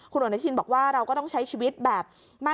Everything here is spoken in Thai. คุณอนุทินบอกว่าเราก็ต้องใช้ชีวิตแบบ